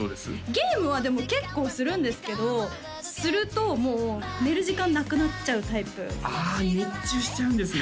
ゲームはでも結構するんですけどするともう寝る時間なくなっちゃうタイプあ熱中しちゃうんですね